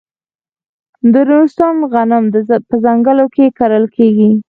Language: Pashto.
د نورستان غنم په ځنګلونو کې کرل کیږي.